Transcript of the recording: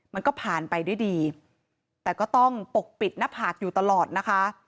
มันก็ผ่านไปด้วยดีแต่ก็ต้องปกปิดหน้าผากอยู่ตลอดนะคะ